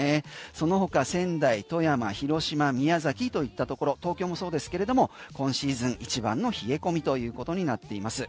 その他、仙台、富山、広島宮崎といったところ東京もそうですけれども今シーズン一番の冷え込みということになっています。